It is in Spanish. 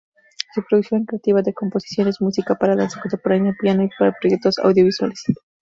Su producción creativa de composiciones, música para danza contemporánea, piano y para proyectos audiovisuales.